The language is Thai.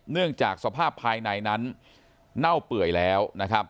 เนื่องจากสภาพภายในนั้นเน่าเปื่อยแล้วนะครับ